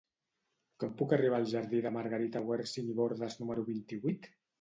Com puc arribar al jardí de Margarita Wirsing i Bordas número vint-i-vuit?